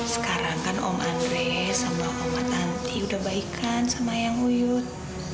sekarang kan om andre sama oma tanti sudah baikkan sama ayang uyut